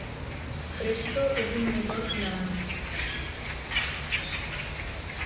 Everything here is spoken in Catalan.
Presto és un motor dinàmic.